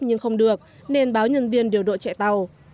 nhưng không được nên báo nhân viên điều đội chạy tàu